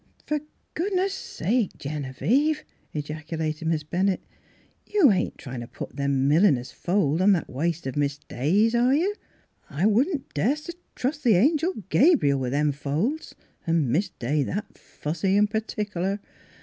" Fer goodness' sake, Genevieve," ejacu lated Miss Bennett, " you ain't tryin' to put them milliner's folds on that waist of Miss Day's, are you? I wouldn't das' t' trust the Angel Gabriel with them folds, an' Miss Day that fussy an' pertic'lar."